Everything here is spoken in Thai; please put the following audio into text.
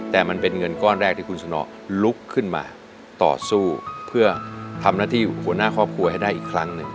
แต่มันเป็นเงินก้อนแรกที่คุณสนอลุกขึ้นมาต่อสู้เพื่อทำหน้าที่หัวหน้าครอบครัวให้ได้อีกครั้งหนึ่ง